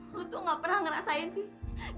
lu tuh gak pernah ngerasain sih